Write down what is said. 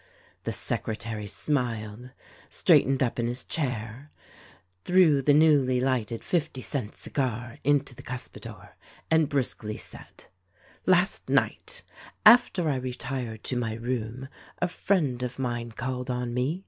The secretary smiled, straightened up in his chair, threw the newly lighted fifty cent cigar into the cuspidor, and briskly said, "Last night, after I retired to my room, a friend of mine called on me.